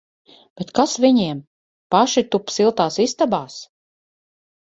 Bet kas viņiem! Paši tup siltās istabās!